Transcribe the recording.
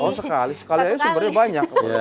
oh sekali sekali aja sumbernya banyak